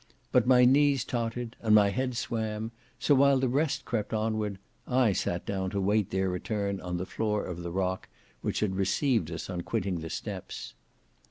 But my knees tottered, and my head swam, so while the rest crept onward, I sat down to wait their return on the floor of rock which had received us on quitting the steps.